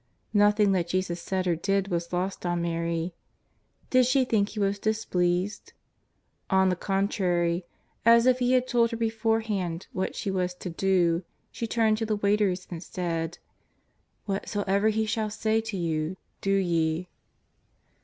Nothing that Jesus said or did was lost on Mary. Did she think He was displeased? On the contrary, as if He had told her beforehand what she was to do, she turned to the waiters and said :'^ Whatsoever He shall say to you, do ye."